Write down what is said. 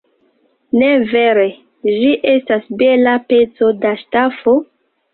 Ne vere, ĝi estas bela peco da ŝtofo?